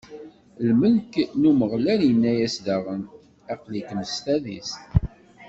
Lmelk n Umeɣlal inna-as daɣen: Aql-ikem s tadist.